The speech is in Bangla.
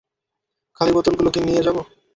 খালি বোতল গুলো কি নিয়ে যাবো?